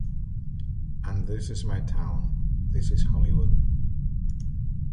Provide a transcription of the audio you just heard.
And this is my town, This is hollywood".